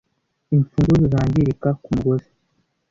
imfunguzo zangirika kumugozi